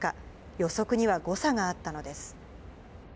予測には誤差があったのです。